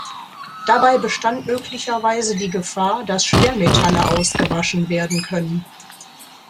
Dabei bestand möglicherweise die Gefahr, dass Schwermetalle ausgewaschen werden können.